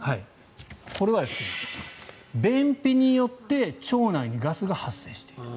これは便秘によって腸内にガスが発生している。